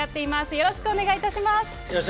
よろしくお願いします。